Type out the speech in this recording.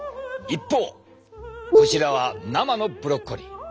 一方こちらは生のブロッコリー。